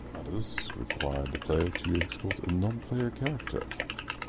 Others require the player to escort a non-player character.